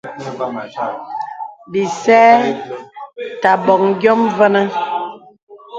Bìsê tà bòŋ yòm vənə.